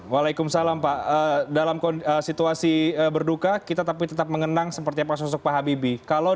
waalaikumsalam pak dalam situasi berduka kita tapi tetap mengenang seperti apa sosok pak habibie